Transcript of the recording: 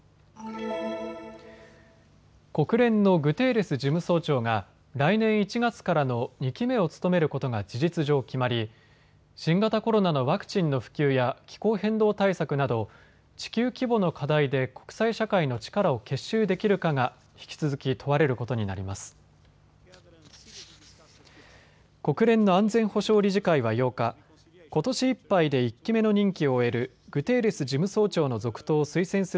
国連のグテーレス事務総長が来年１月からの２期目を務めることが事実上決まり新型コロナのワクチンの普及や気候変動対策など地球規模の課題で国際社会の力を結集できるかが引き続き問われることになります。